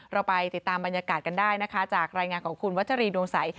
เราไปติดตามบรรยากาศกันได้นะคะจากรายงานของคุณวัชรีดวงใส